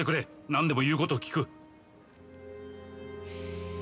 何でも言うことを聞く。